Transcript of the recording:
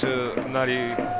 なり